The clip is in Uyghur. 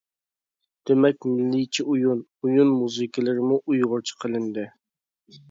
دېمەك مىللىيچە ئويۇن، ئويۇن مۇزىكىلىرىمۇ ئۇيغۇرچە قىلىندى!